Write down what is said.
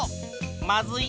まずい。